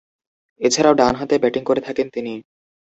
এছাড়াও ডানহাতে ব্যাটিং করে থাকেন তিনি।